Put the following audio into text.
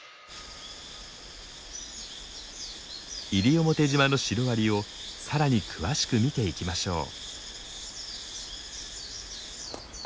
西表島のシロアリをさらに詳しく見ていきましょう。